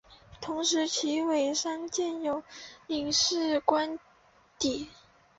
同时在旗尾山建有领事官邸。